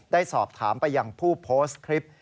ได้สอบถามไปยังผู้โพสต์คลิป